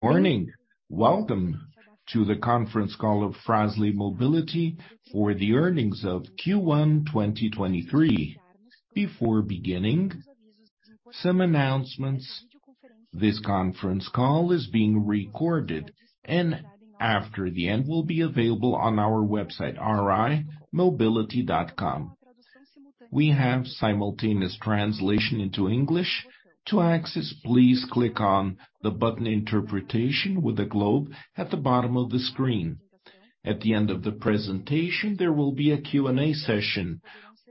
Morning. Welcome to the conference call of Frasle Mobility for the earnings of Q1 2023. Before beginning, some announcements. This Conference Call is being recorded, and after the end, will be available on our website, ri.fraslemobility.com. We have simultaneous translation into English. To access, please click on the button Interpretation with the globe at the bottom of the screen. At the end of the presentation, there will be a Q&A session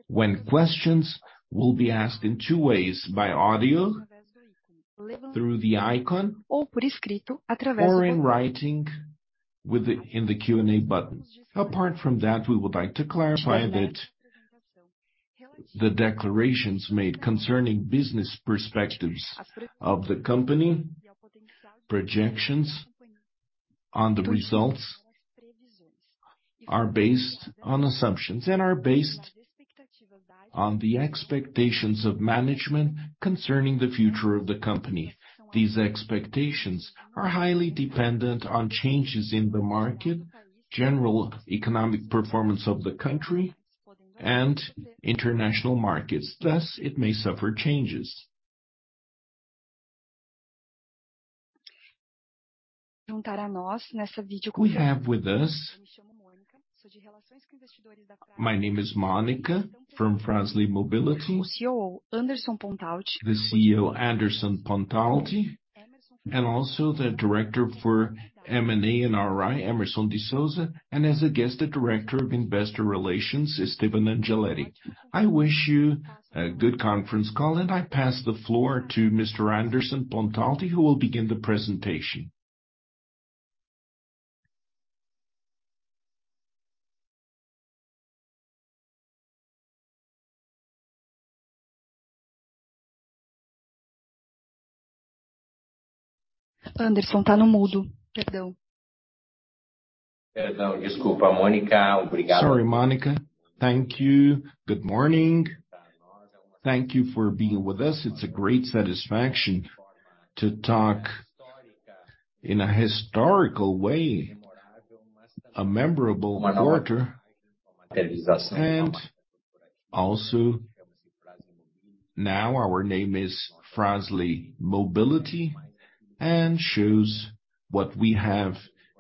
when questions will be asked in two ways, by audio through the icon or in writing in the Q&A button. Apart from that, we would like to clarify that the declarations made concerning business perspectives of the company, projections on the results are based on assumptions and are based on the expectations of management concerning the future of the company. These expectations are highly dependent on changes in the market, general economic performance of the country and international markets. Thus, it may suffer changes. We have with us My name is Monica from Frasle Mobility. The CEO, Anderson Pontalti, and also the Director for M&A and IR, Hemerson de Souza, and as a guest, the Director of Investor Relations, Estevan Angeletti. I wish you a good conference call, and I pass the floor to Mr. Anderson Pontalti, who will begin the presentation. Sorry, Monica. Thank you. Good morning. Thank you for being with us. It's a great satisfaction to talk in a historical way, a memorable quarter. Also, now our name is Frasle Mobility, and shows what we have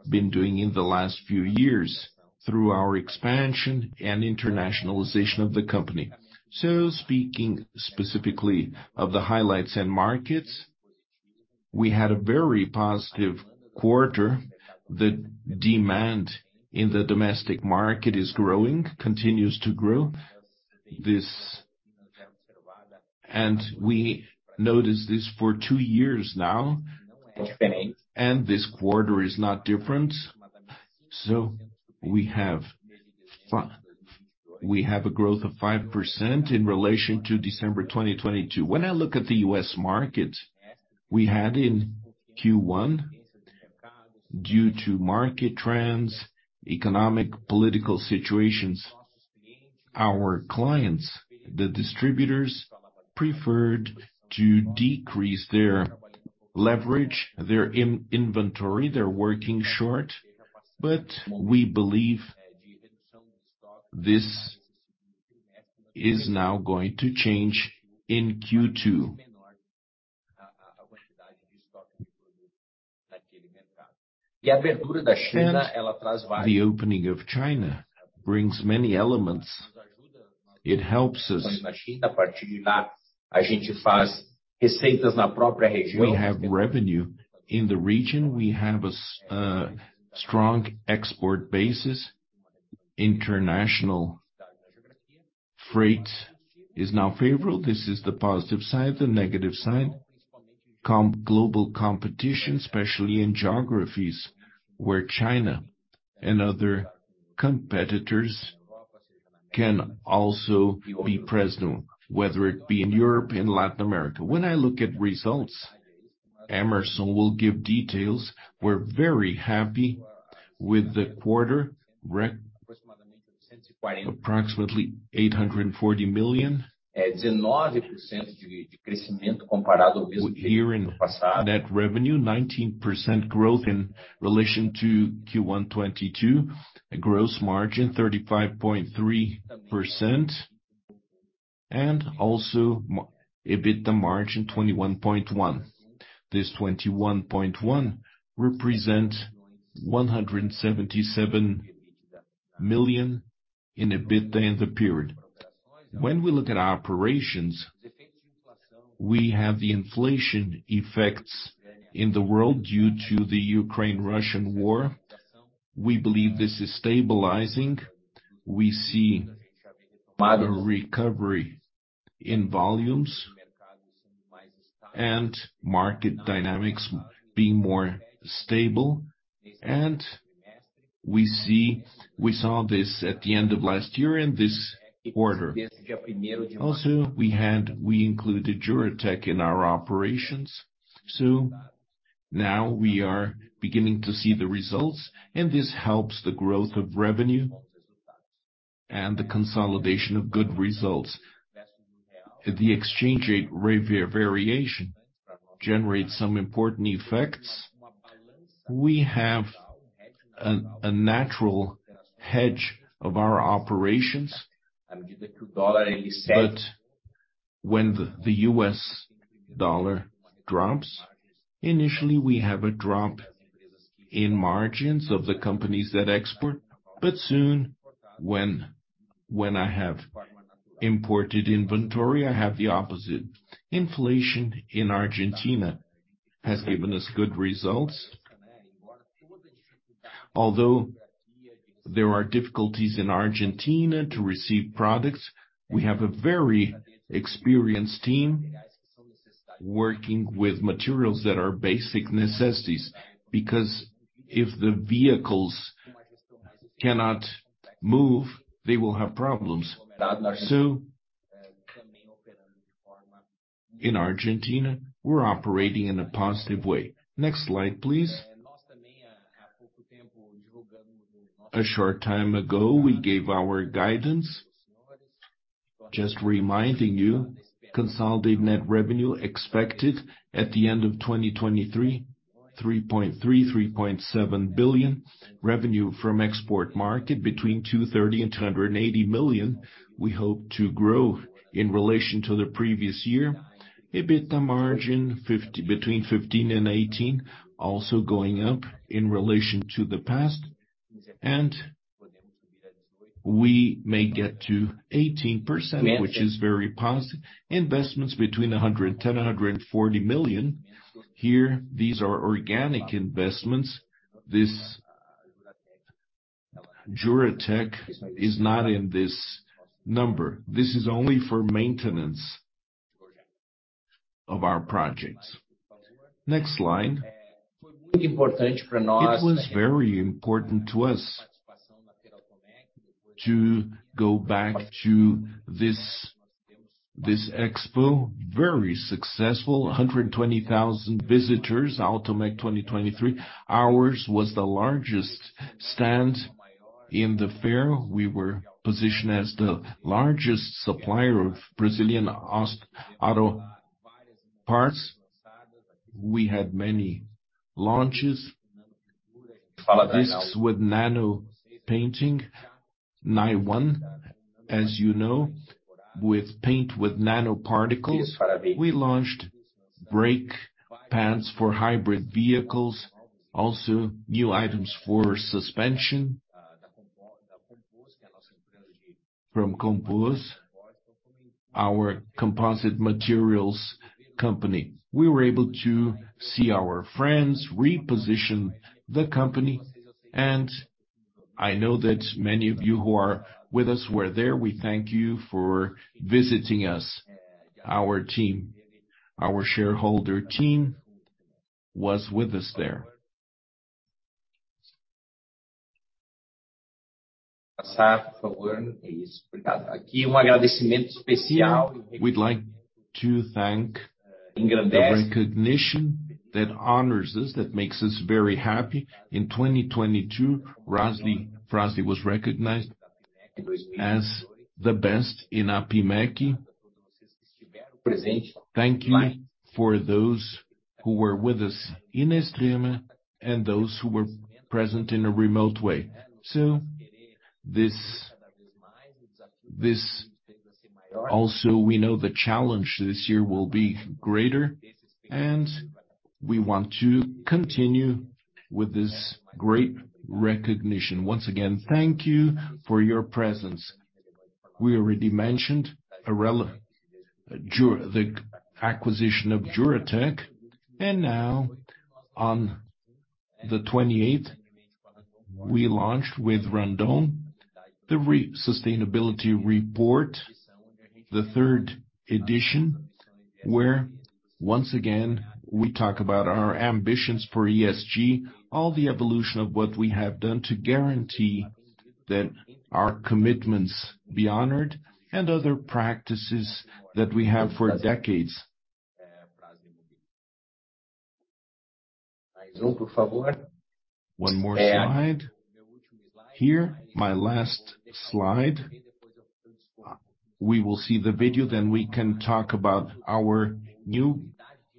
been doing in the last few years through our expansion and internationalization of the company. Speaking specifically of the highlights and markets, we had a very positive quarter. The demand in the domestic market is growing, continues to grow. We noticed this for two years now, and this quarter is not different. We have a growth of 5% in relation to December 2022. When I look at the U.S. market, we had in Q1, due to market trends, economic, political situations, our clients, the distributors, preferred to decrease their leverage, their in-inventory, they're working short, but we believe this is now going to change in Q2. The opening of China brings many elements. It helps us. We have revenue in the region. We have a strong export basis. International freight is now favorable. This is the positive side. The negative side, global competition, especially in geographies where China and other competitors can also be present, whether it be in Europe, in Latin America. When I look at results, Hemerson will give details. We're very happy with the quarter approximately BRL 840 million. Year-end net revenue, 19% growth in relation to Q1 2022. A gross margin, 35.3%, and also EBITDA margin, 21.1. This 21.1 represent 177 million in EBITDA in the period. When we look at our operations, we have the inflation effects in the world due to the Russia-Ukraine war. We believe this is stabilizing. We see a recovery in volumes and market dynamics being more stable. We saw this at the end of last year and this quarter. Also, we included Juratek in our operations, so now we are beginning to see the results, and this helps the growth of revenue. The consolidation of good results. The exchange rate variation generates some important effects. We have a natural hedge of our operations. When the U.S. dollar drops, initially we have a drop in margins of the companies that export. Soon when I have imported inventory, I have the opposite. Inflation in Argentina has given us good results. Although there are difficulties in Argentina to receive products, we have a very experienced team working with materials that are basic necessities because if the vehicles cannot move, they will have problems. In Argentina, we're operating in a positive way. Next slide, please. A short time ago, we gave our guidance. Just reminding you, consolidated net revenue expected at the end of 2023, 3.3 billion-3.7 billion. Revenue from export market between 230 million-280 million. We hope to grow in relation to the previous year. EBITDA margin between 15% and 18%, also going up in relation to the past. We may get to 18%, which is very positive. Investments between 110 million-140 million. Here, these are organic investments. This Juratek is not in this number. This is only for maintenance of our projects. Next slide. It was very important to us to go back to this expo. Very successful. 120,000 visitors, Automec 2023. Ours was the largest stand in the fair. We were positioned as the largest supplier of Brazilian auto parts. We had many launches. This with nano painting, NIONE, as you know, with paint with nanoparticles. We launched brake pads for hybrid vehicles, also new items for suspension from Composs, our composite materials company. We were able to see our friends reposition the company. I know that many of you who are with us were there. We thank you for visiting us. Our team, our shareholder team was with us there. We'd like to thank the recognition that honors us, that makes us very happy. In 2022, Fras-le was recognized as the best in Apimec. Thank you for those who were with us in Extrema and those who were present in a remote way. This also we know the challenge this year will be greater. We want to continue with this great recognition. Once again, thank you for your presence. We already mentioned Arella, the acquisition of Juratek. Now, on the 28th, we launched with Randon the sustainability report, the 3rd edition, where once again, we talk about our ambitions for ESG, all the evolution of what we have done to guarantee that our commitments be honored and other practices that we have for decades. One more slide. Here, my last slide. We will see the video, then we can talk about our new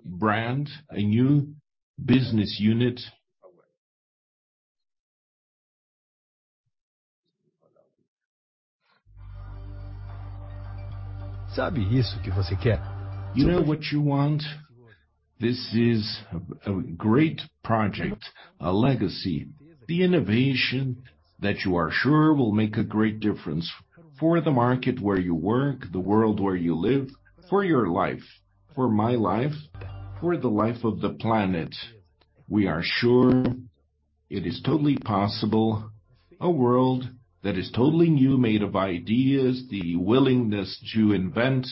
brand, a new business unit. You know what you want. This is a great project, a legacy. The innovation that you are sure will make a great difference for the market where you work, the world where you live, for your life, for my life, for the life of the planet. We are sure it is totally possible, a world that is totally new, made of ideas, the willingness to invent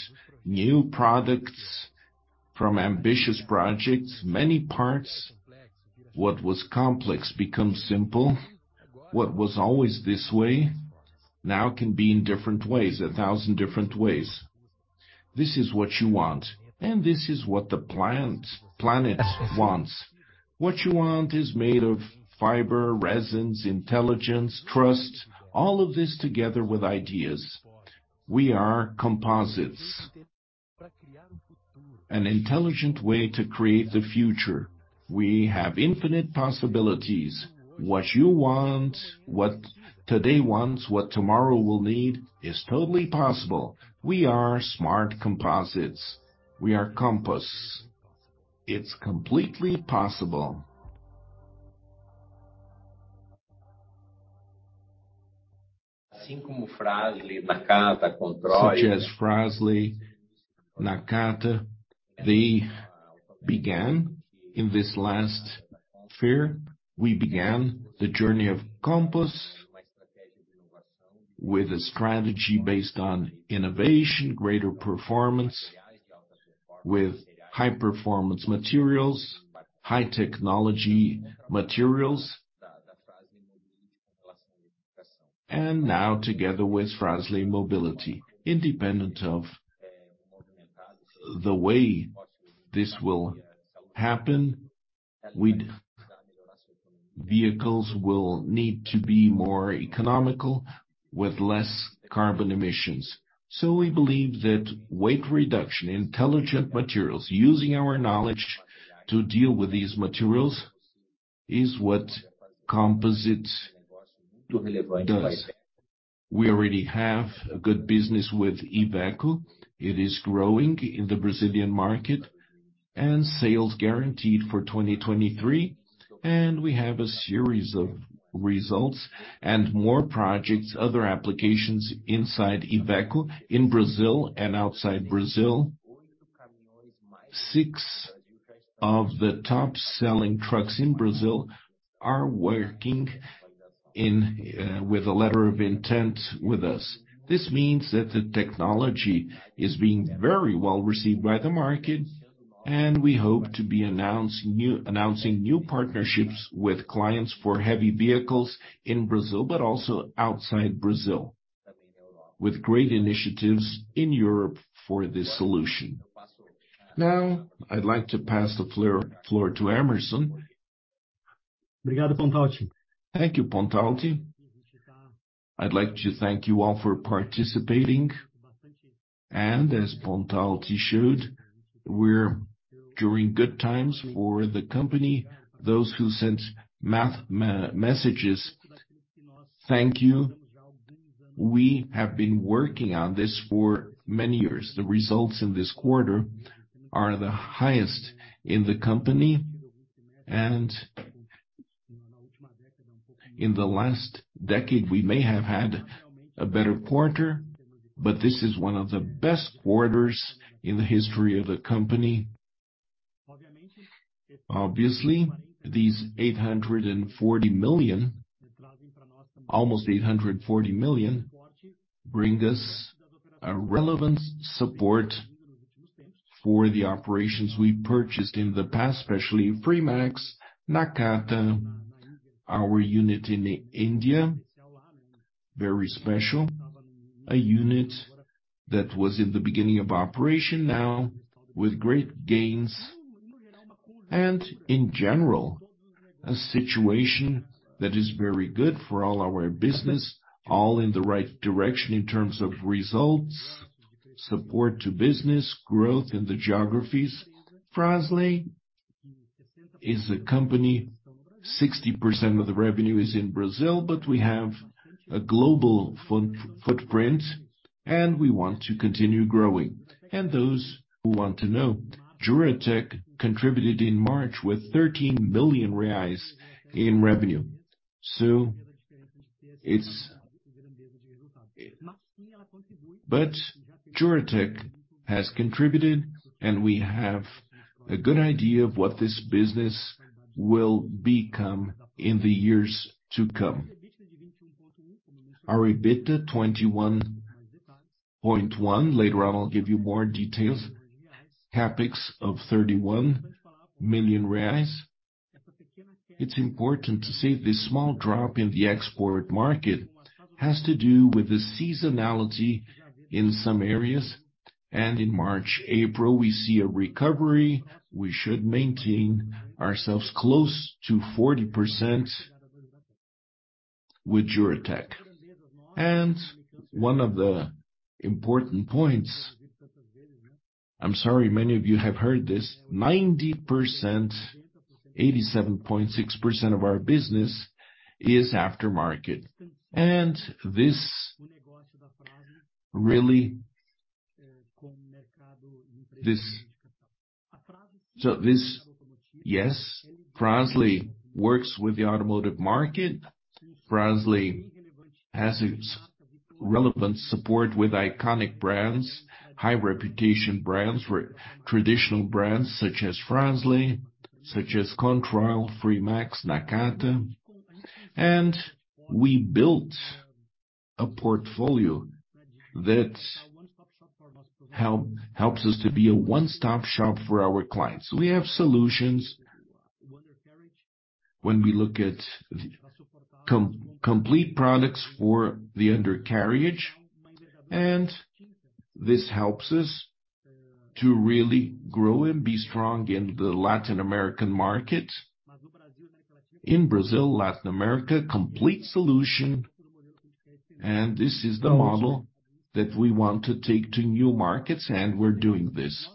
new products from ambitious projects, Meri Parts. What was complex becomes simple. What was always this way now can be in different ways, 1,000 different ways. This is what you want, this is what the planet wants. What you want is made of fiber, resins, intelligence, trust, all of this together with ideas. We are composites. An intelligent way to create the future. We have infinite possibilities. What you want, what today wants, what tomorrow will need is totally possible. We are Smart Composites. We are Composs. It's completely possible. Such as Fras-le, Nakata. They began in this last fair. We began the journey of Composs with a strategy based on innovation, greater performance, with high performance materials, high technology materials. Now together with Frasle Mobility, independent of the way this will happen, vehicles will need to be more economical with less carbon emissions. We believe that weight reduction, intelligent materials, using our knowledge to deal with these materials is what composites does. We already have a good business with Iveco. It is growing in the Brazilian market, and sales guaranteed for 2023, and we have a series of results and more projects, other applications inside Iveco in Brazil and outside Brazil. Six of the top-selling trucks in Brazil are working in with a letter of intent with us. This means that the technology is being very well received by the market, and we hope to be announcing new partnerships with clients for heavy vehicles in Brazil, but also outside Brazil, with great initiatives in Europe for this solution. I'd like to pass the floor toHemerson. Thank you, Pontalti. I'd like to thank you all for participating. As Pontalti showed, we're during good times for the company. Those who sent messages, thank you. We have been working on this for many years. The results in this quarter are the highest in the company. In the last decade, we may have had a better quarter, but this is one of the best quarters in the history of the company. Obviously, these 840 million, almost 840 million, bring us a relevant support for the operations we purchased in the past, especially Fremax, Nakata, our unit in India, very special. A unit that was in the beginning of operation now with great gains. In general, a situation that is very good for all our business, all in the right direction in terms of results, support to business, growth in the geographies. Fras-le is a company, 60% of the revenue is in Brazil, we have a global footprint, we want to continue growing. Those who want to know, Juratek contributed in March with 13 billion reais in revenue. Juratek has contributed, we have a good idea of what this business will become in the years to come. Our EBITDA 21.1%. Later on, I'll give you more details. CapEx of 31 million reais. It's important to say this small drop in the export market has to do with the seasonality in some areas. In March, April, we see a recovery. We should maintain ourselves close to 40% with Juratek. One of the important points, I'm sorry many of you have heard this, 90%, 87.6% of our business is aftermarket. This really. This, yes, Fras-le works with the automotive market. Fras-le has its relevant support with iconic brands, high reputation brands, traditional brands such as Fras-le, such as Controil, Fremax, Nakata. We built a portfolio that helps us to be a one-stop shop for our clients. We have solutions. When we look at complete products for the undercarriage, and this helps us to really grow and be strong in the Latin American market. In Brazil, Latin America, complete solution, and this is the model that we want to take to new markets, and we're doing this.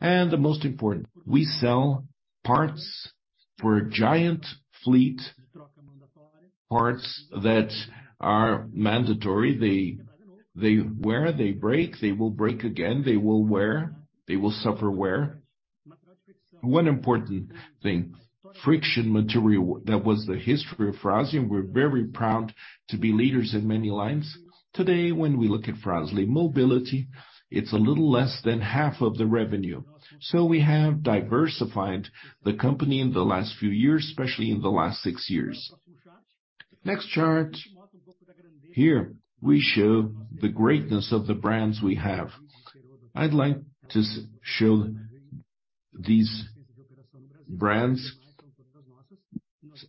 The most important, we sell parts for a giant fleet, parts that are mandatory. They wear, they break, they will break again, they will wear, they will suffer wear. One important thing, friction material, that was the history of Fras-le, and we're very proud to be leaders in many lines. Today, when we look at Frasle Mobility, it's a little less than half of the revenue. We have diversified the company in the last few years, especially in the last six years. Next chart. Here, we show the greatness of the brands we have. I'd like to show these brands.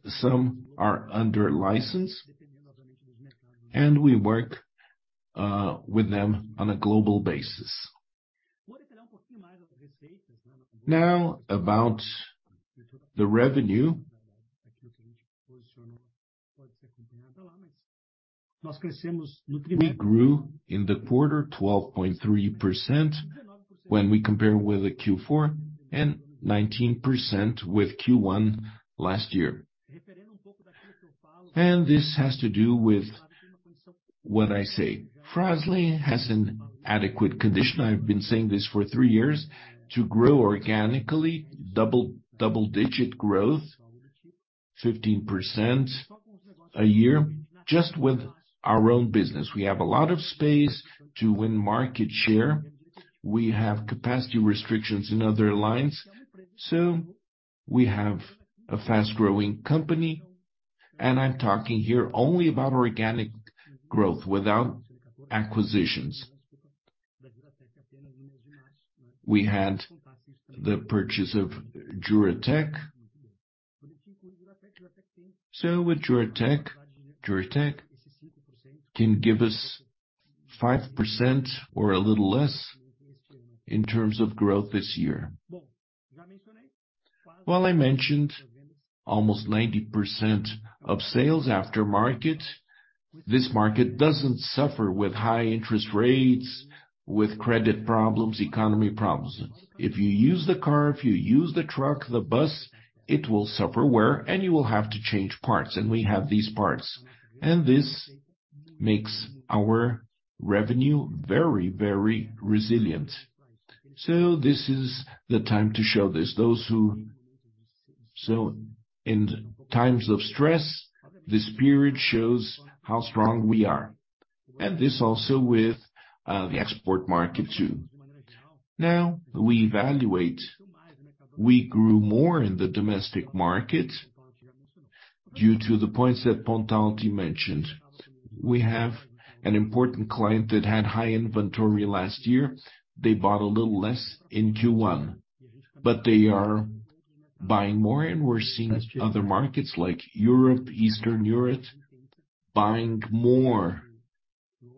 Some are under license, and we work with them on a global basis. Now, about the revenue. We grew in the quarter 12.3% when we compare with the Q4, and 19% with Q1 last year. This has to do with what I say. Fras-le has an adequate condition, I've been saying this for three years, to grow organically, double-digit growth, 15% a year, just with our own business. We have a lot of space to win market share. We have capacity restrictions in other lines. We have a fast-growing company, and I'm talking here only about organic growth without acquisitions. We had the purchase of Juratek. With Juratek can give us 5% or a little less in terms of growth this year. Well, I mentioned almost 90% of sales aftermarket. This market doesn't suffer with high interest rates, with credit problems, economy problems. If you use the car, if you use the truck, the bus, it will suffer wear, and you will have to change parts, and we have these parts. This makes our revenue very, very resilient. This is the time to show this. In times of stress, the spirit shows how strong we are. This also with the export market too. Now, we evaluate. We grew more in the domestic market due to the points that Pontalti mentioned. We have an important client that had high inventory last year. They bought a little less in Q1. They are buying more, and we're seeing other markets like Europe, Eastern Europe, buying more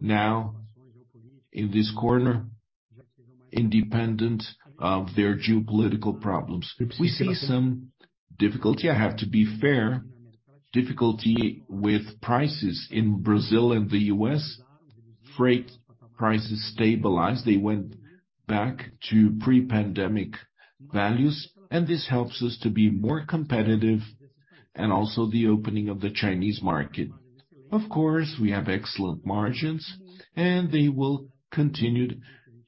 now in this corner, independent of their geopolitical problems. We see some difficulty, I have to be fair, difficulty with prices in Brazil and the U.S. Freight prices stabilized. They went back to pre-pandemic values, and this helps us to be more competitive, and also the opening of the Chinese market. Of course, we have excellent margins, and they will continued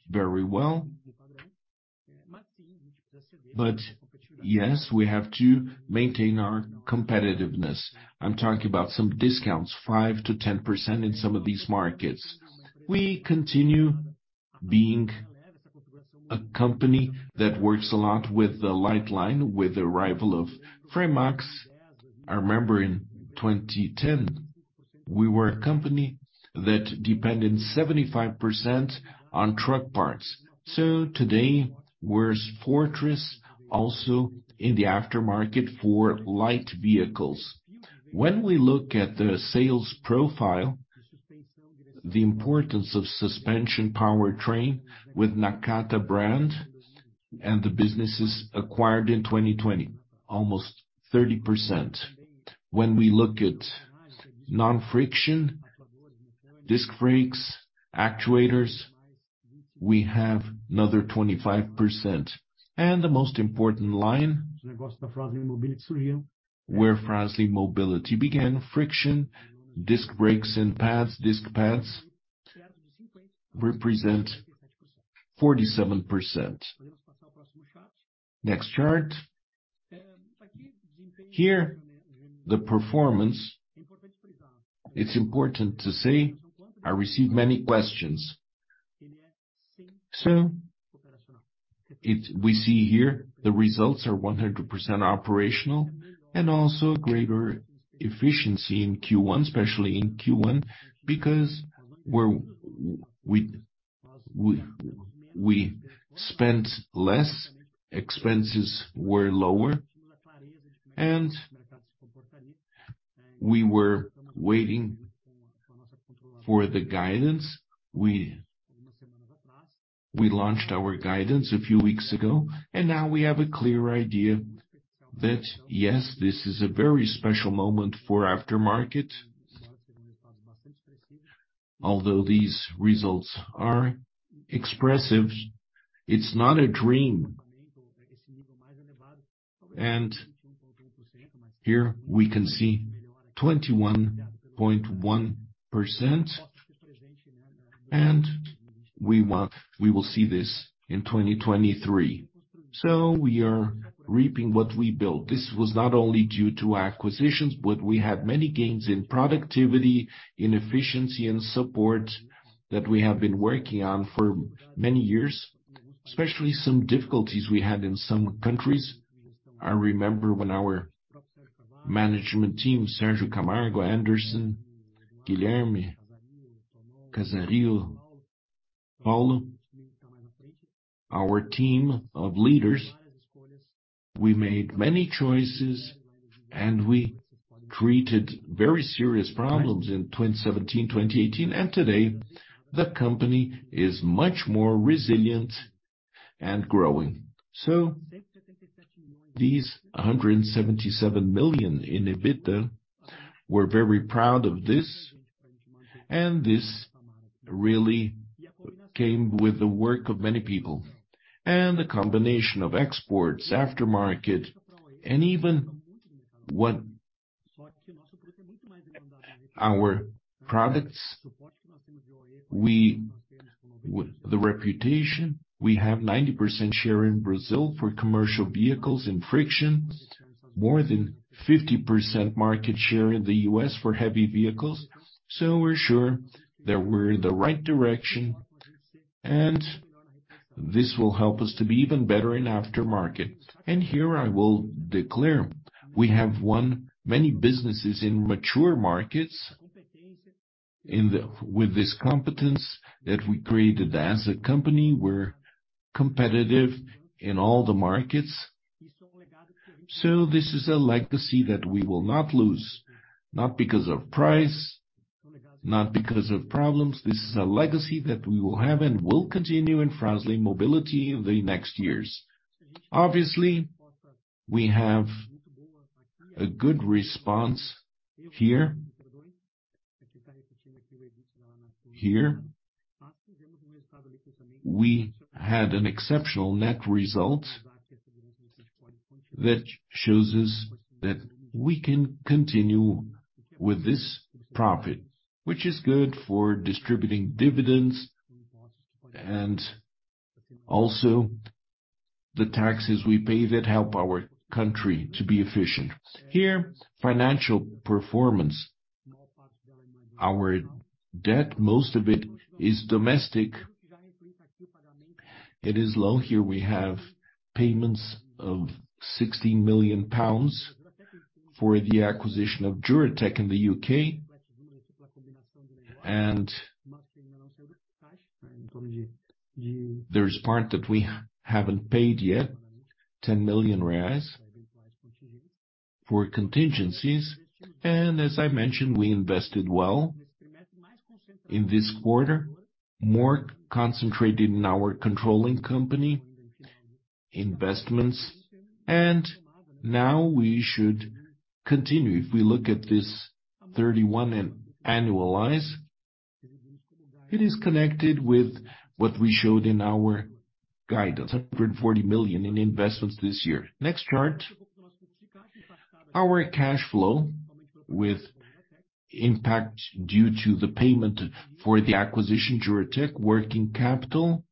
very well. Yes, we have to maintain our competitiveness. I'm talking about some discounts, 5%-10% in some of these markets. We continue being a company that works a lot with the light line, with the arrival of Fremax. I remember in 2010, we were a company that depended 75% on truck parts. Today, we're fortress also in the aftermarket for light vehicles. When we look at the sales profile, the importance of suspension powertrain with Nakata brand and the businesses acquired in 2020, almost 30%. When we look at non-friction, disc brakes, actuators, we have another 25%. The most important line, where Frasle Mobility began, friction, disc brakes, and pads, disc pads represent 47%. Next chart. Here, the performance, it's important to say I received many questions. We see here the results are 100% operational and also greater efficiency in Q1, especially in Q1, because we're, we spent less, expenses were lower, and we were waiting for the guidance. We launched our guidance a few weeks ago, now we have a clear idea that, yes, this is a very special moment for aftermarket. Although these results are expressive, it's not a dream. Here we can see 21.1%, we will see this in 2023. We are reaping what we built. This was not only due to acquisitions, but we had many gains in productivity, in efficiency and support that we have been working on for many years, especially some difficulties we had in some countries. I remember when our management team, Sérgio Carvalho, Anderson, Guilherme, Casario, Paulo, our team of leaders, we made many choices, we created very serious problems in 2017, 2018. Today, the company is much more resilient and growing. These 177 million in EBITDA, we're very proud of this, and this really came with the work of many people. The combination of exports, aftermarket, and even what our products, the reputation. We have 90% share in Brazil for commercial vehicles and frictions. More than 50% market share in the U.S. for heavy vehicles. We're sure that we're in the right direction, and this will help us to be even better in aftermarket. Here I will declare, we have won many businesses in mature markets. With this competence that we created as a company, we're competitive in all the markets. This is a legacy that we will not lose, not because of price, not because of problems. This is a legacy that we will have and will continue in Frasle Mobility in the next years. Obviously, we have a good response here. Here. We had an exceptional net result that shows us that we can continue with this profit, which is good for distributing dividends and also the taxes we pay that help our country to be efficient. Here, financial performance. Our debt, most of it is domestic. It is low. Here we have payments of 60 million pounds for the acquisition of Juratek in the U.K. There's part that we haven't paid yet, 10 million reais for contingencies. As I mentioned, we invested well in this quarter, more concentrated in our controlling company investments. Now we should continue. If we look at this 31 and annualize, it is connected with what we showed in our guidance, 140 million in investments this year. Next chart. Our cash flow with impact due to the payment for the acquisition, Juratek working capital.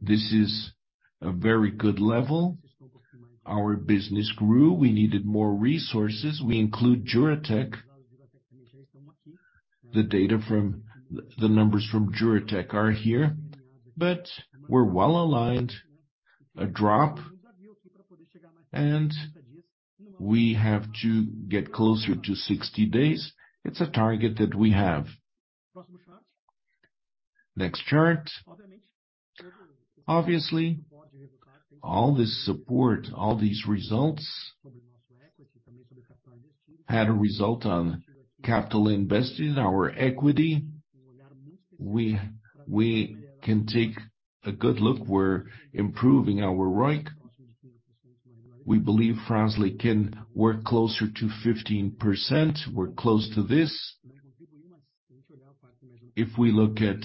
This is a very good level. Our business grew. We needed more resources. We include Juratek. The numbers from Juratek are here, but we're well-aligned. A drop, we have to get closer to 60 days. It's a target that we have. Next chart. All this support, all these results had a result on capital invested, our equity. We can take a good look. We're improving our ROIC. We believe Fras-le can work closer to 15%. We're close to this. If we look at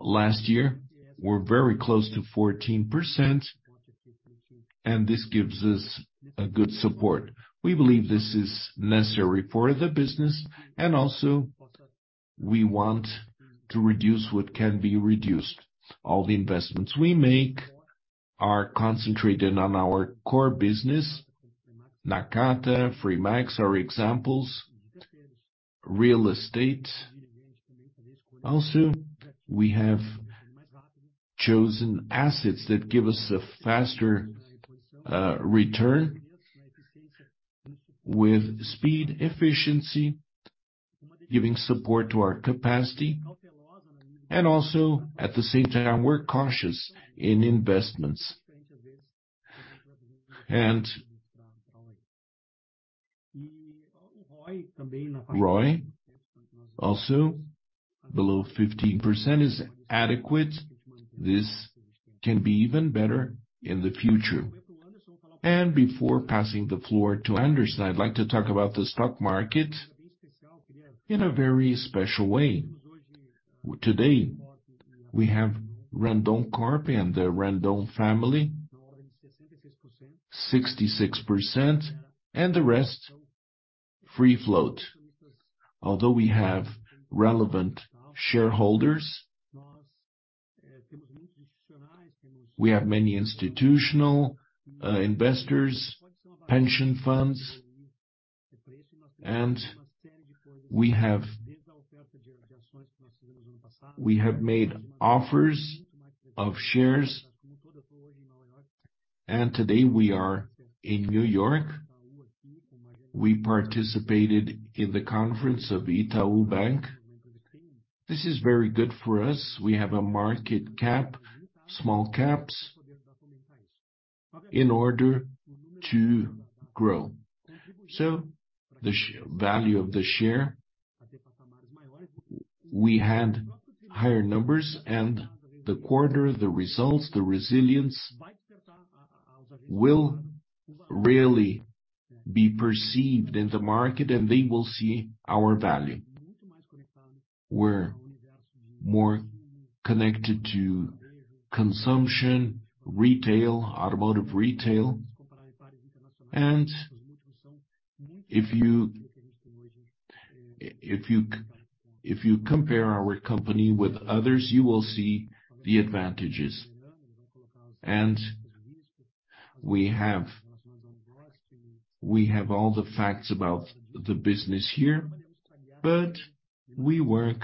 last year, we're very close to 14%, and this gives us a good support. We believe this is necessary for the business, also we want to reduce what can be reduced. All the investments we make are concentrated on our core business. Nakata, Fremax are examples. Real estate. Also, we have chosen assets that give us a faster return with speed, efficiency, giving support to our capacity also at the same time, we're cautious in investments. ROI also below 15% is adequate. This can be even better in the future. Before passing the floor to Anderson, I'd like to talk about the stock market in a very special way. Today, we have Randoncorp and the Randon family 66% and the rest free float. Although we have relevant shareholders, we have many institutional investors, pension funds, and we have made offers of shares. Today, we are in New York. We participated in the conference of Itaú BBA. This is very good for us. We have a market cap, small caps, in order to grow. The value of the share, we had higher numbers and the quarter, the results, the resilience will really be perceived in the market and they will see our value. We're more connected to consumption, retail, automotive retail. If you compare our company with others, you will see the advantages. We have all the facts about the business here, but we work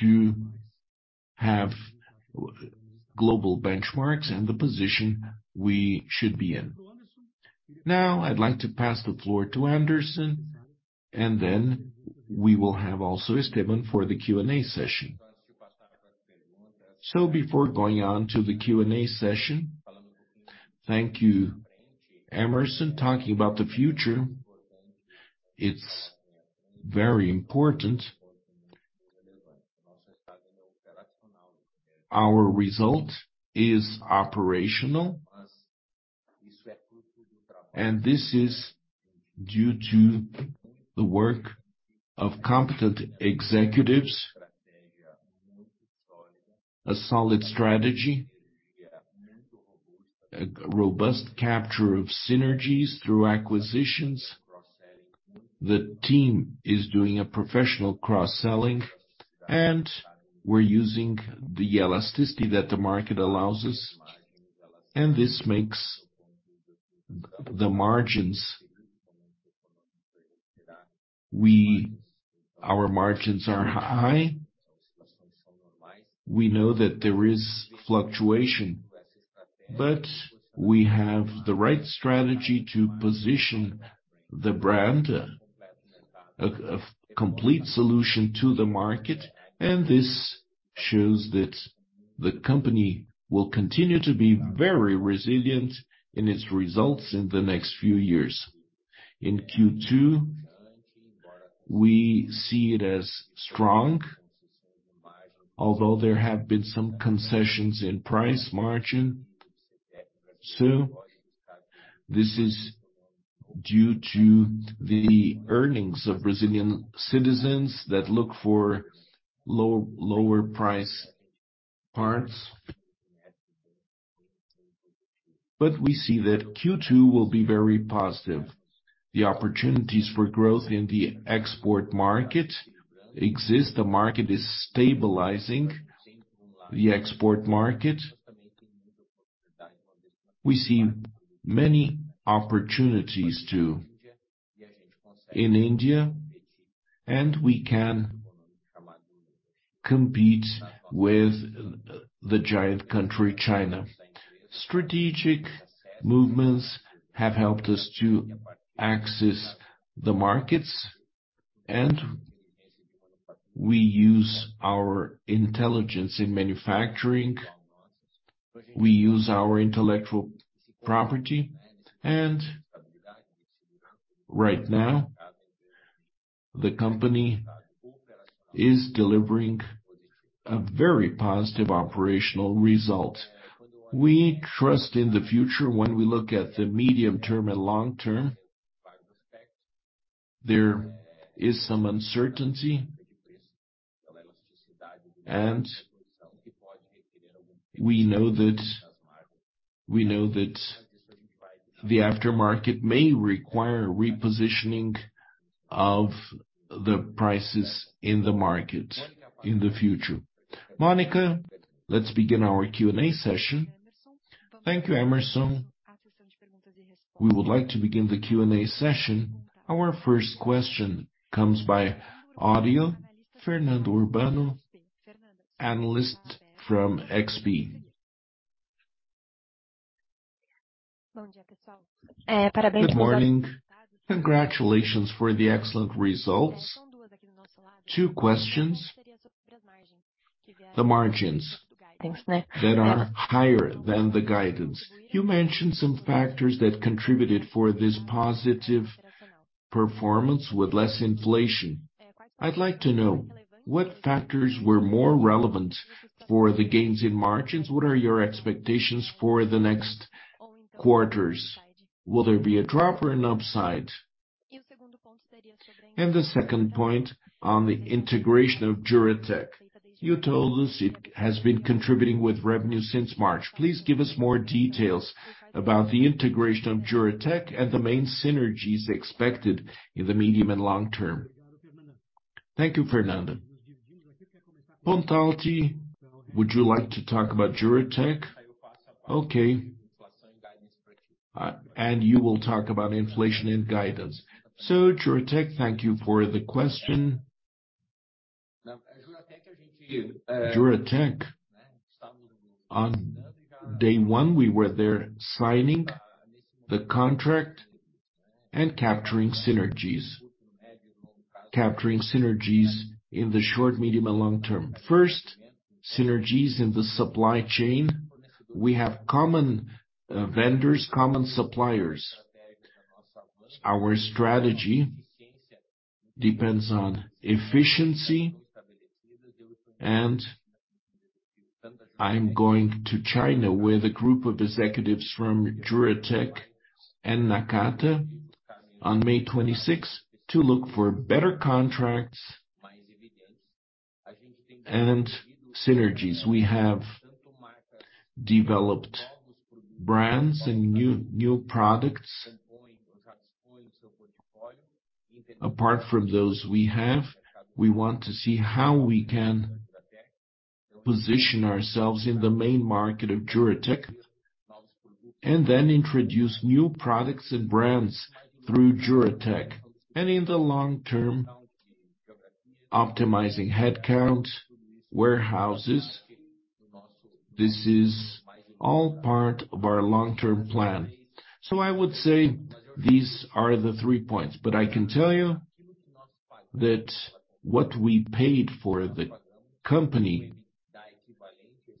to have global benchmarks and the position we should be in. I'd like to pass the floor to Anderson, then we will have alsoEstevan for the Q&A session. Before going on to the Q&A session, thank you, Hemerson. Talking about the future, it's very important. Our result is operational, this is due to the work of competent executives, a solid strategy, a robust capture of synergies through acquisitions. The team is doing a professional cross-selling, we're using the elasticity that the market allows us, this makes the margins. Our margins are high. We know that there is fluctuation, we have the right strategy to position the brand, a complete solution to the market, this shows that the company will continue to be very resilient in its results in the next few years. In Q2, we see it as strong, although there have been some concessions in price margin too. This is due to the earnings of Brazilian citizens that look for lower priced parts. We see that Q2 will be very positive. The opportunities for growth in the export market exist. The market is stabilizing. The export market, we see many opportunities too in India, and we can compete with the giant country, China. Strategic movements have helped us to access the markets, and we use our intelligence in manufacturing, we use our intellectual property. Right now, the company is delivering a very positive operational result. We trust in the future when we look at the medium term and long term. There is some uncertainty. We know that the aftermarket may require repositioning of the prices in the market in the future. Monica, let's begin our Q&A session. Thank you, Hemerson. We would like to begin the Q&A session. Our first question comes by audio, Fernanda Urbano, analyst from XP. Good morning. Congratulations for the excellent results. Two questions. The margins that are higher than the guidance. You mentioned some factors that contributed for this positive performance with less inflation. I'd like to know what factors were more relevant for the gains in margins. What are your expectations for the next quarters? Will there be a drop or an upside? The second point on the integration of Juratek. You told us it has been contributing with revenue since March. Please give us more details about the integration of Juratek and the main synergies expected in the medium and long term. Thank you, Fernanda. Pontalti, would you like to talk about Juratek? Okay. You will talk about inflation and guidance. Juratek, thank you for the question. Juratek, on day one, we were there signing the contract and capturing synergies, capturing synergies in the short, medium, and long term. First, synergies in the supply chain. We have common vendors, common suppliers. Our strategy depends on efficiency, and I'm going to China with a group of executives from Juratek and Nakata on May 26 to look for better contracts and synergies. We have developed brands and new products. Apart from those we have, we want to see how we can position ourselves in the main market of Juratek, and then introduce new products and brands through Juratek. In the long term, optimizing headcount, warehouses. This is all part of our long-term plan. I would say these are the three points, but I can tell you that what we paid for the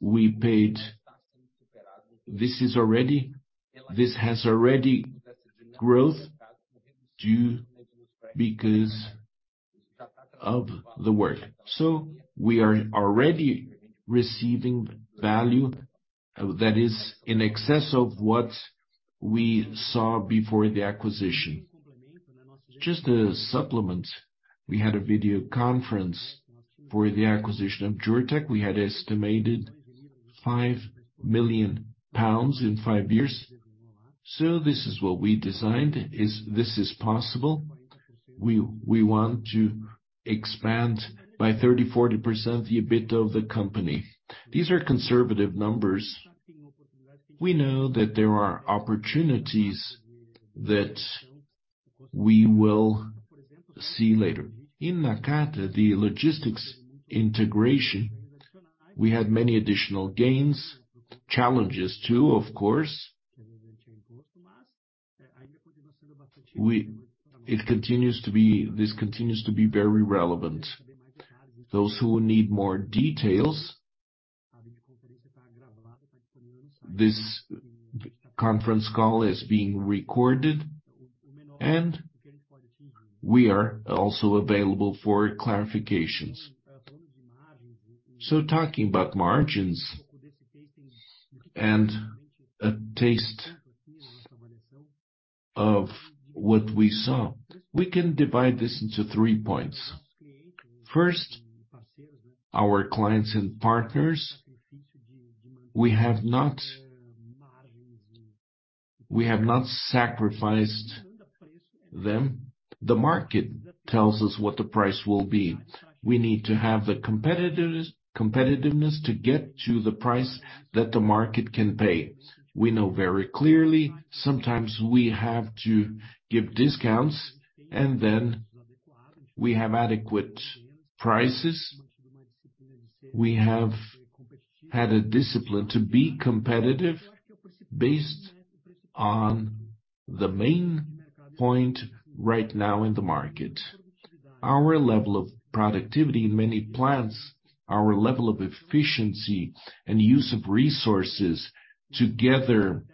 company, we paid, this has already growth due because of the work. We are already receiving value that is in excess of what we saw before the acquisition. Just to supplement, we had a video conference for the acquisition of Juratek. We had estimated 5 million pounds in five years. This is what we designed, is this is possible. We want to expand by 30%-40% the EBITDA of the company. These are conservative numbers. We know that there are opportunities that we will see later. In Nakata, the logistics integration, we had many additional gains, challenges too, of course. It continues to be very relevant. Those who need more details, this conference call is being recorded, and we are also available for clarifications. Talking about margins and a taste of what we saw, we can divide this into three points. First, our clients and partners, we have not sacrificed them. The market tells us what the price will be. We need to have the competitiveness to get to the price that the market can pay. We know very clearly, sometimes we have to give discounts, and then we have adequate prices. We have had a discipline to be competitive based on the main point right now in the market. Our level of productivity in many plants, our level of efficiency and use of resources together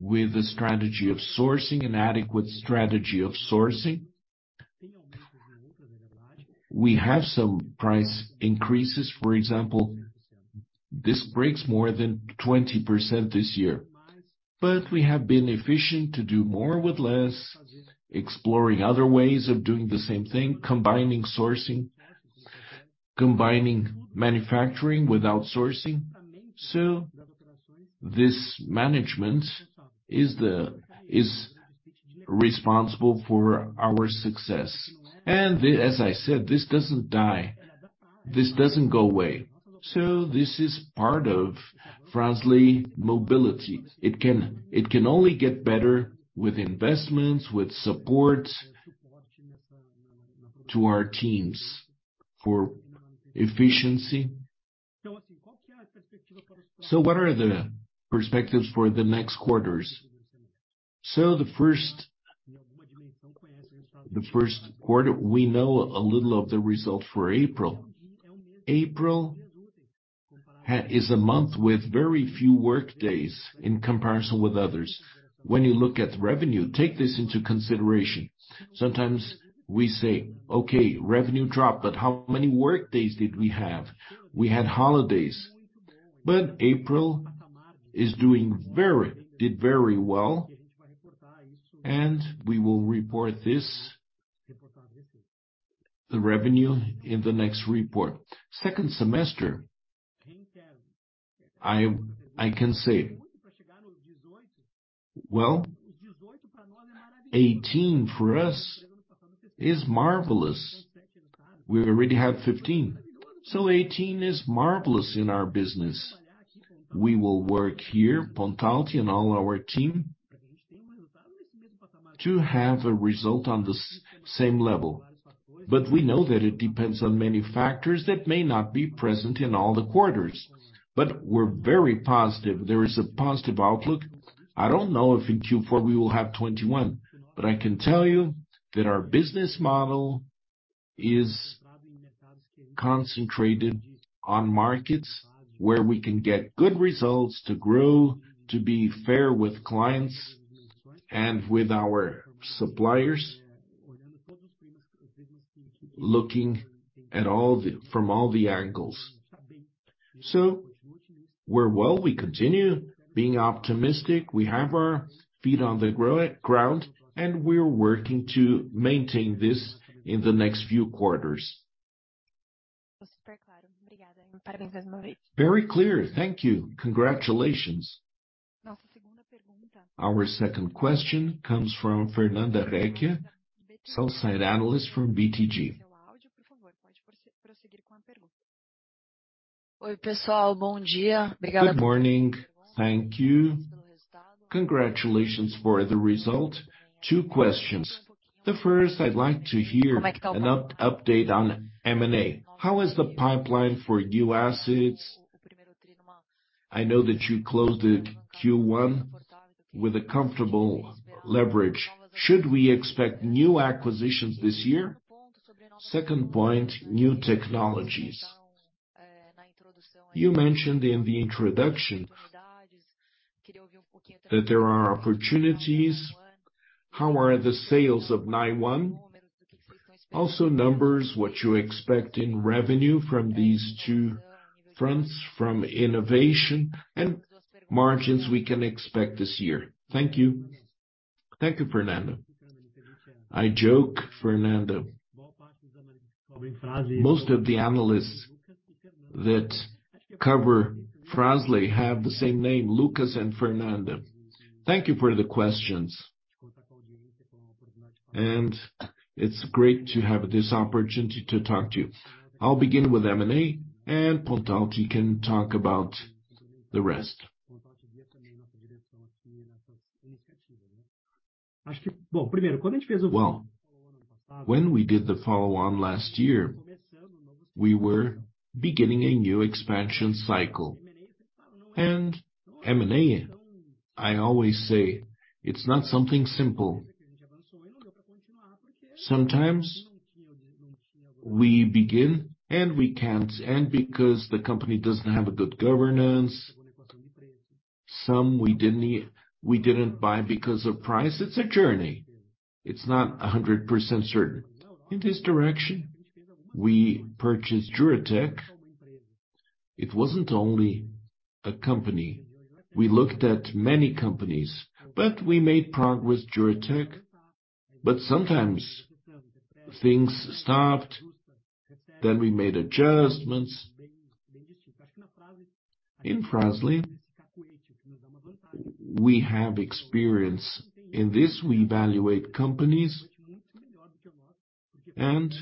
with a strategy of sourcing, an adequate strategy of sourcing. We have some price increases, for example, this breaks more than 20% this year. We have been efficient to do more with less, exploring other ways of doing the same thing, combining sourcing, combining manufacturing with outsourcing. This management is responsible for our success. As I said, this doesn't die. This doesn't go away. This is part of Frasle Mobility. It can only get better with investments, with support to our teams for efficiency. What are the perspectives for the next quarters? The first quarter, we know a little of the result for April. April is a month with very few work days in comparison with others. When you look at revenue, take this into consideration. Sometimes we say, "Okay, revenue dropped, but how many work days did we have? We had holidays." April is doing very well, and we will report this, the revenue, in the next report. Second semester, I can say, well, 18% for us is marvelous. We already have 15%. 18% is marvelous in our business. We will work here, Pontalti and all our team, to have a result on the same level. We know that it depends on many factors that may not be present in all the quarters. We're very positive. There is a positive outlook. I don't know if in Q4 we will have 21%, but I can tell you that our business model is concentrated on markets where we can get good results to grow, to be fair with clients and with our suppliers. Looking at all the angles. We're well. We continue being optimistic. We have our feet on the ground, and we're working to maintain this in the next few quarters. Very clear. Thank you. Congratulations. Our second question comes from Fernanda Recchia, sell-side analyst from BTG Pactual. Good morning. Thank you. Congratulations for the result. Two questions. First, I'd like to hear an update on M&A. How is the pipeline for new assets? I know that you closed Q1 with a comfortable leverage. Should we expect new acquisitions this year? Second point, new technologies. You mentioned in the introduction that there are opportunities. How are the sales of NIONE? Numbers, what you expect in revenue from these two fronts from innovation and margins we can expect this year. Thank you. Thank you, Fernando. I joke, Fernando, most of the analysts that cover Fras-le have the same name, Lucas and Fernando. Thank you for the questions. It's great to have this opportunity to talk to you. I'll begin with M&A. Pontalti can talk about the rest. Well, when we did the follow-on last year, we were beginning a new expansion cycle. M&A, I always say it's not something simple. Sometimes we begin, and we can't. Because the company doesn't have a good governance, some we didn't buy because of price. It's a journey. It's not 100% certain. In this direction, we purchased Juratek. It wasn't only a company. We looked at many companies, but we made progress, Juratek. Sometimes things stopped, then we made adjustments. In Fras-le, we have experience. In this, we evaluate companies, and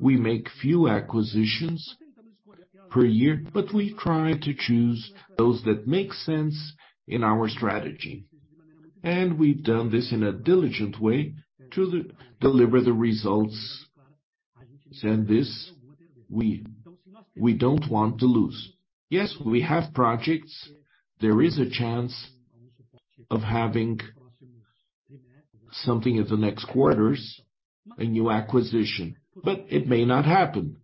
we make few acquisitions per year, but we try to choose those that make sense in our strategy. We've done this in a diligent way to deliver the results. This, we don't want to lose. Yes, we have projects. There is a chance of having something in the next quarters, a new acquisition, but it may not happen.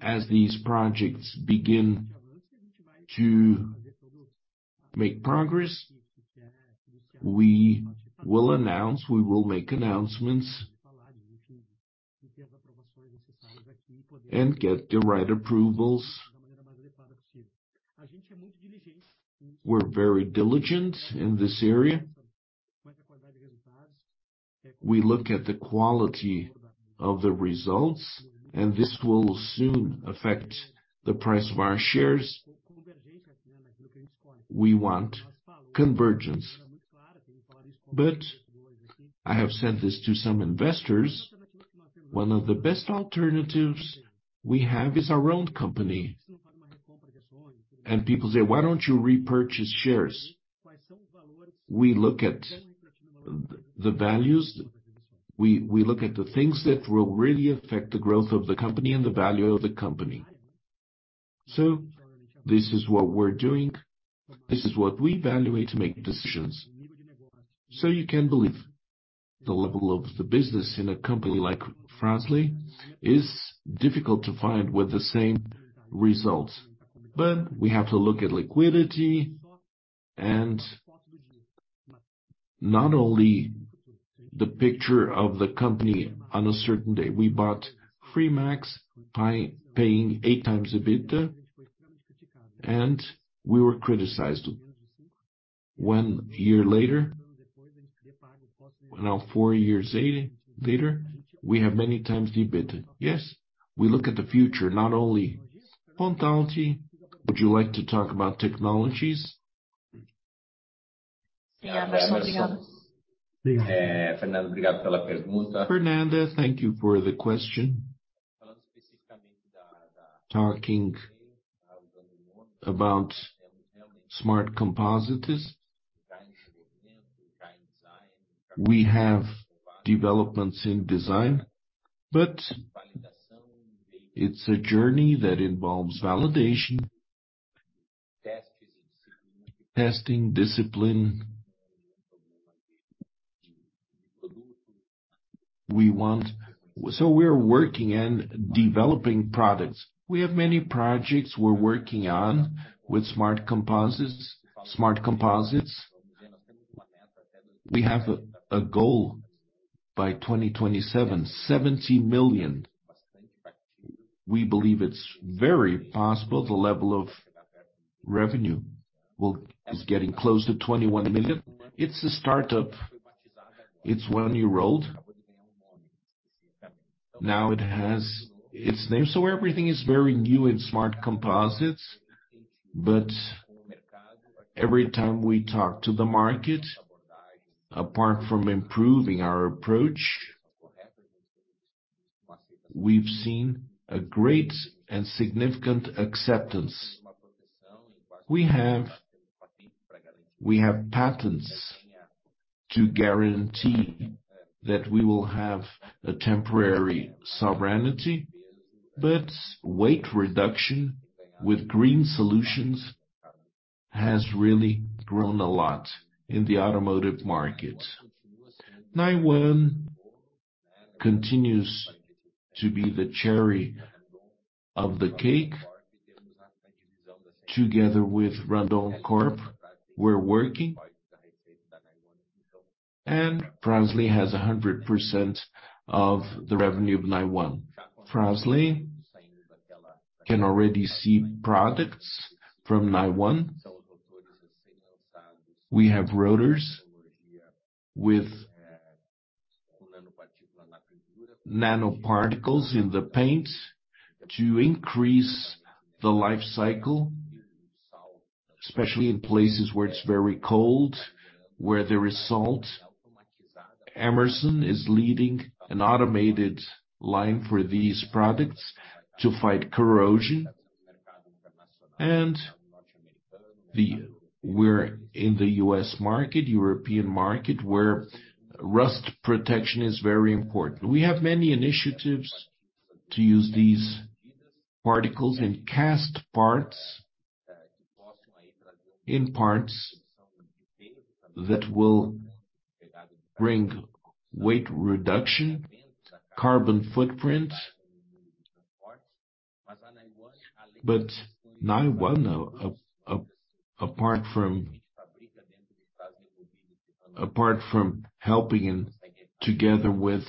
As these projects begin to make progress, we will announce, we will make announcements and get the right approvals. We're very diligent in this area. We look at the quality of the results, and this will soon affect the price of our shares. We want convergence. I have said this to some investors, one of the best alternatives we have is our own company. And people say, "Why don't you repurchase shares?" We look at the values. We look at the things that will really affect the growth of the company and the value of the company. This is what we're doing. This is what we evaluate to make decisions. You can believe the level of the business in a company like Fras-le is difficult to find with the same results. We have to look at liquidity and not only the picture of the company on a certain day. We bought Fremax by paying 8x the EBITDA, and we were criticized. 1 year later, now 4 years a-later, we have many times the EBITDA. Yes, we look at the future, not only pontuality. Would you like to talk about technologies? Fernanda, thank you for the question. Talking about Smart Composites. We have developments in design, but it's a journey that involves validation, testing, discipline. We want. We're working and developing products. We have many projects we're working on with Smart Composites. Smart Composites, we have a goal by 2027, 70 million. We believe it's very possible the level of revenue is getting close to 21 million. It's a start-up. It's 1 year old. Now it has its name. Everything is very new in Smart Composites, but every time we talk to the market, apart from improving our approach, we've seen a great and significant acceptance. We have patents to guarantee that we will have a temporary sovereignty, but weight reduction with green solutions has really grown a lot in the automotive market. NIONE continues to be the cherry of the cake. Together with Randoncorp, we're working. Fras-le has 100% of the revenue of NIONE. Fras-le can already see products from NIONE. We have rotors with nanoparticles in the paints to increase the life cycle, especially in places where it's very cold, where there is salt. Hemerson is leading an automated line for these products to fight corrosion. We're in the U.S. market, European market, where rust protection is very important. We have many initiatives to use these particles in cast parts, in parts that will bring weight reduction, carbon footprint. NIONE, apart from helping in together with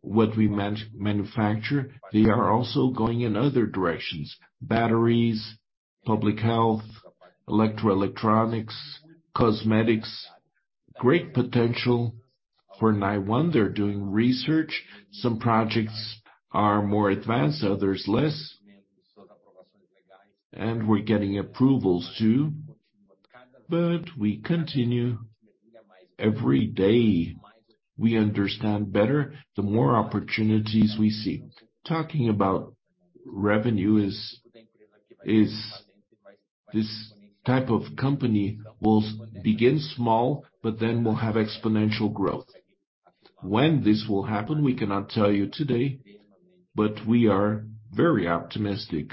what we manufacture, they are also going in other directions. Batteries, public health, electro-electronics, cosmetics. Great potential for NIONE. They're doing research. Some projects are more advanced, others less. We're getting approvals too. We continue every day. We understand better, the more opportunities we see. Talking about revenue is this type of company will begin small, will have exponential growth. When this will happen, we cannot tell you today, we are very optimistic.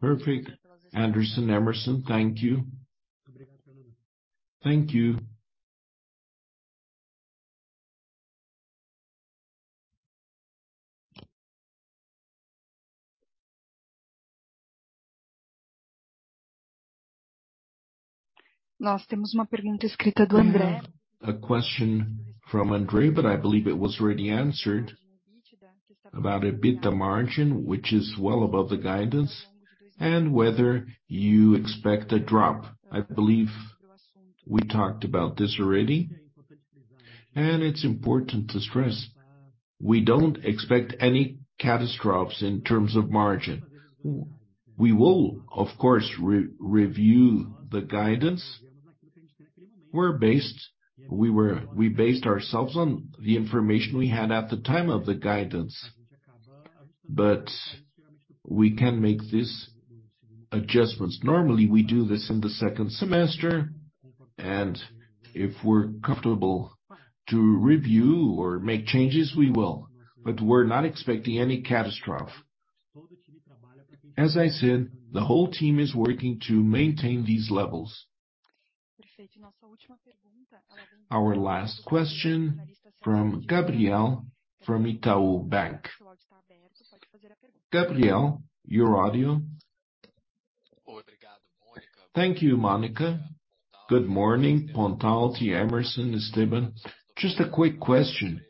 Perfect. Anderson, Hemerson, thank you. Thank you. A question from Andre, I believe it was already answered about EBITDA margin, which is well above the guidance and whether you expect a drop. I believe we talked about this already, and it's important to stress we don't expect any catastrophes in terms of margin. We will of course re-review the guidance. We based ourselves on the information we had at the time of the guidance, but we can make these adjustments. Normally, we do this in the second semester, and if we're comfortable to review or make changes, we will. We're not expecting any catastrophe. As I said, the whole team is working to maintain these levels. Our last question from Gabriel from Itaú BBA. Gabriel, your audio. Thank you, Monica. Good morning, Pontalti, Hemerson, Estevan. Just a quick question.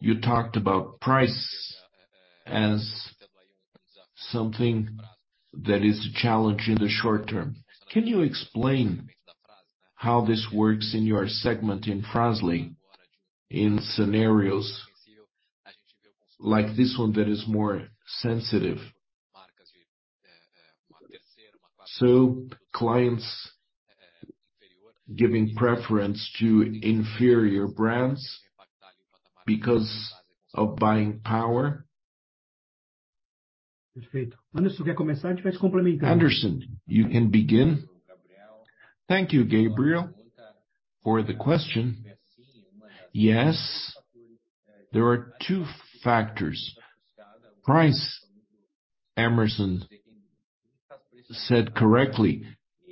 You talked about price as something that is a challenge in the short term. Can you explain how this works in your segment in Fras-le in scenarios like this one that is more sensitive? Clients giving preference to inferior brands because of buying power. Anderson, you can begin. Thank you, Gabriel, for the question. Yes, there are two factors. Price.Hemerson said correctly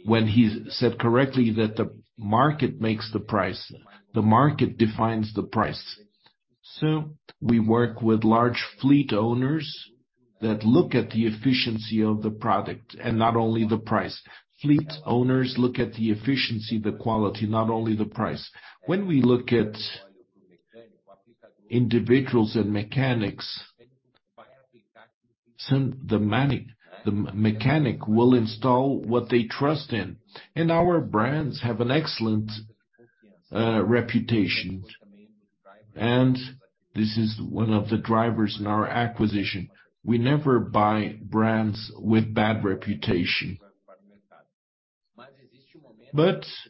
when he said correctly that the market makes the price. The market defines the price. We work with large fleet owners that look at the efficiency of the product and not only the price. Fleet owners look at the efficiency, the quality, not only the price. When we look at individuals and mechanics, the mechanic will install what they trust in, and our brands have an excellent reputation. This is one of the drivers in our acquisition. We never buy brands with bad reputation.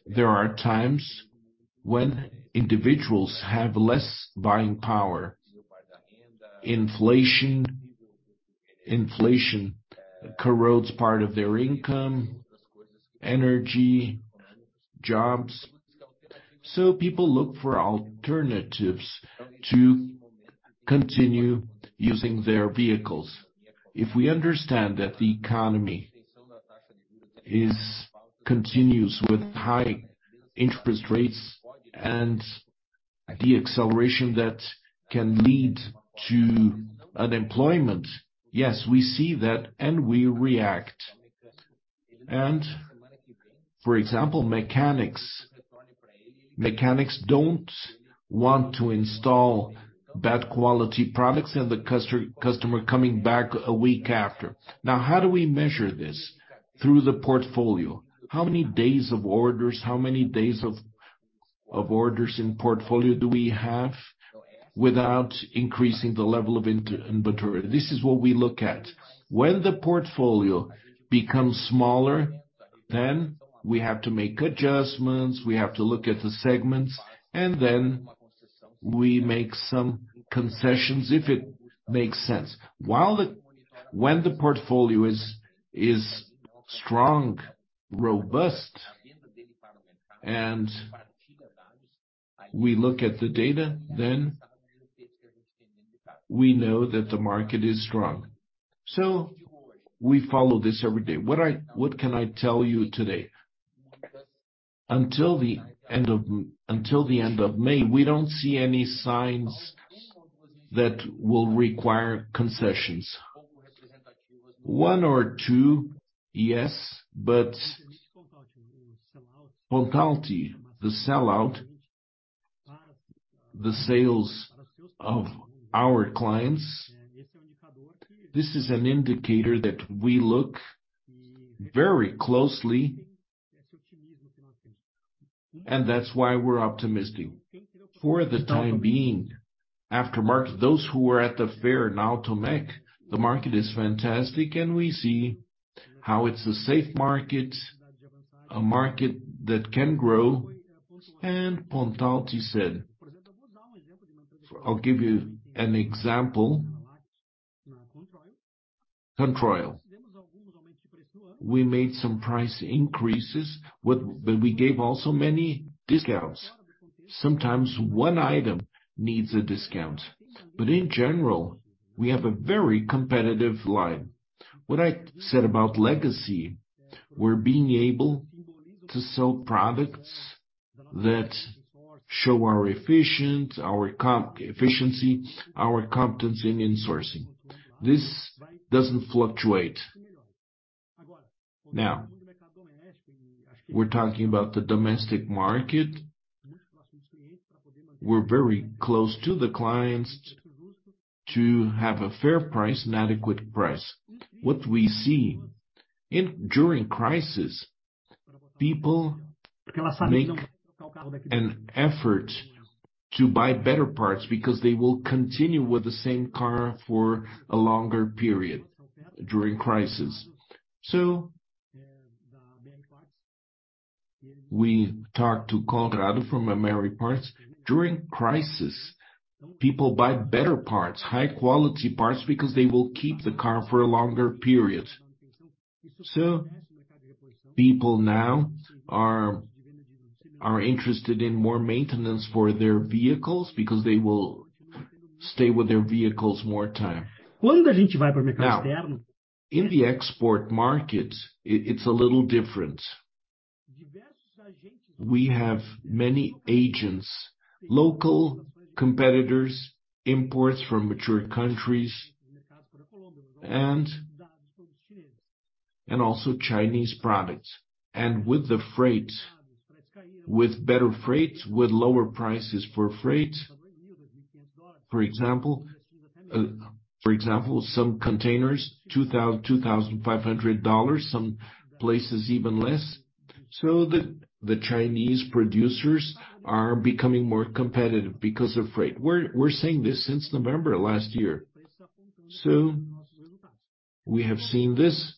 There are times when individuals have less buying power. Inflation. Inflation corrodes part of their income, energy, jobs. People look for alternatives to continue using their vehicles. If we understand that the economy is continuous with high interest rates and the acceleration that can lead to unemployment, yes, we see that, and we react. For example, mechanics. Mechanics don't want to install bad quality products and the customer coming back a week after. How do we measure this? Through the portfolio. How many days of orders, how many days of orders in portfolio do we have without increasing the level of inventory? This is what we look at. When the portfolio becomes smaller, we have to make adjustments, we have to look at the segments, and we make some concessions, if it makes sense. When the portfolio is strong, robust, and we look at the data, we know that the market is strong. We follow this every day. What can I tell you today? Until the end of May, we don't see any signs that will require concessions. One or two, yes. Pontalti, the sell-out, the sales of our clients, this is an indicator that we look very closely, and that's why we're optimistic. For the time being, aftermarket, those who were at the fair now to make, the market is fantastic, and we see how it's a safe market, a market that can grow. Pontalti said, I'll give you an example. Controil. We made some price increases, but we gave also many discounts. Sometimes one item needs a discount. In general, we have a very competitive line. What I said about legacy, we're being able to sell products that show our efficient, our efficiency, our competence in insourcing. This doesn't fluctuate. Now, we're talking about the domestic market. We're very close to the clients to have a fair price, an adequate price. What we see during crisis, people make an effort to buy better parts because they will continue with the same car for a longer period during crisis. We talked to Conrado from Mery Parts. During crisis, people buy better parts, high quality parts, because they will keep the car for a longer period. People now are interested in more maintenance for their vehicles because they will stay with their vehicles more time. In the export market, it's a little different. We have many agents, local competitors, imports from mature countries and also Chinese products. With the freight, with better freight, with lower prices for freight, for example, for example, some containers $2,500, some places even less, the Chinese producers are becoming more competitive because of freight. We're saying this since November of last year. We have seen this,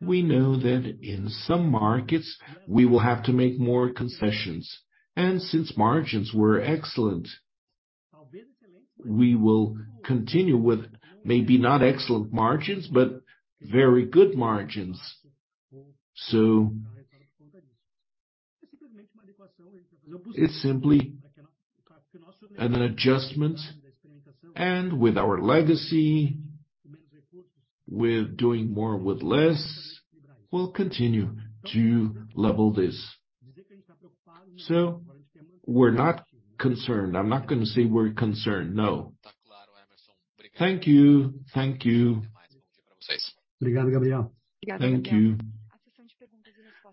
we know that in some markets we will have to make more concessions. Since margins were excellent, we will continue with maybe not excellent margins, very good margins. It's simply an adjustment and with our legacy, with doing more with less, we'll continue to level this. We're not concerned. I'm not gonna say we're concerned, no. Thank you. Thank you. Thank you. Thank you.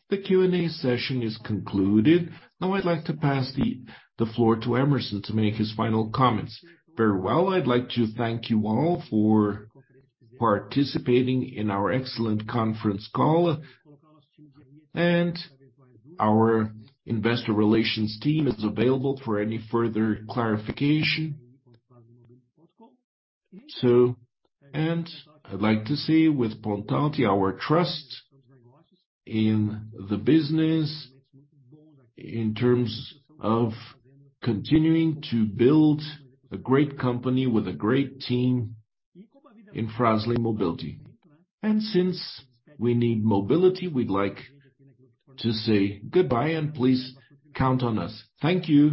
The Q&A session is concluded. Now I'd like to pass the floor toHemerson to make his final comments. Very well. I'd like to thank you all for participating in our excellent conference call. Our Investor Relations team is available for any further clarification. I'd like to say with prontamente our trust in the business in terms of continuing to build a great company with a great team in Frasle Mobility. Since we need mobility, we'd like to say goodbye and please count on us. Thank you.